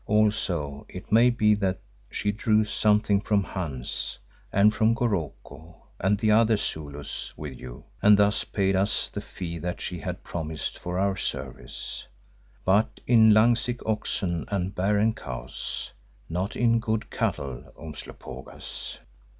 Also it may be that she drew something from Hans, and from Goroko and the other Zulus with you, and thus paid us the fee that she had promised for our service, but in lung sick oxen and barren cows, not in good cattle, Umslopogaas."